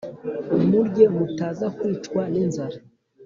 murye mutaza kwicwa n'inzara.»